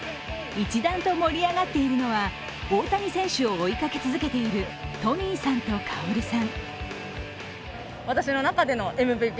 一段と盛り上がっているのは大谷選手を追いかけ続けているトミーさんとカオルさん。